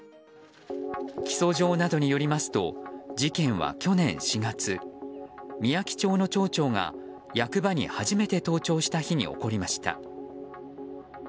起訴状などによりますと事件は去年４月みやき町の町長が役場に初めて登庁した日に起こりました。